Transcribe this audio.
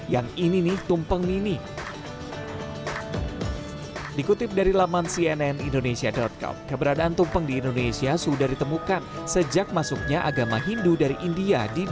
yang ini nih tumpeng ini